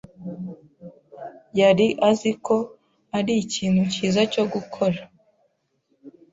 yari azi ko arikintu cyiza cyo gukora.